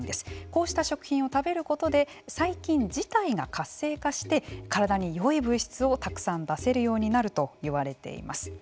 こうした食品を食べることで細菌自体が活性化して体によい物質をたくさん出せるようになると言われています。